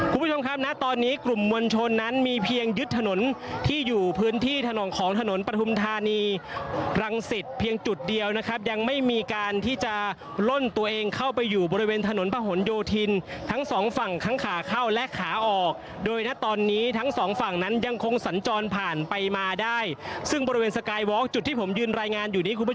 คุณผู้ชมครับณตอนนี้กลุ่มมวลชนนั้นมีเพียงยึดถนนที่อยู่พื้นที่ถนนของถนนปฐุมธานีรังสิตเพียงจุดเดียวนะครับยังไม่มีการที่จะล่นตัวเองเข้าไปอยู่บริเวณถนนพะหนโยธินทั้งสองฝั่งทั้งขาเข้าและขาออกโดยณตอนนี้ทั้งสองฝั่งนั้นยังคงสัญจรผ่านไปมาได้ซึ่งบริเวณสกายวอล์จุดที่ผมยืนรายงานอยู่นี้คุณผู้ชม